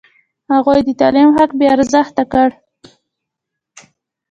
هغوی د تعلیم حق بې ارزښته کړ.